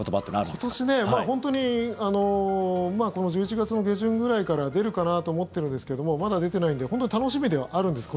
今年、本当にこの１１月の下旬くらいから出るかなと思ってるんですけどもまだ出てないので本当に楽しみではあるんです。